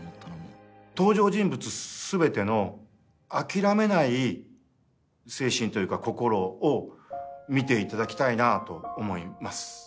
登場人物全ての諦めない精神というか心を見ていただきたいなと思います。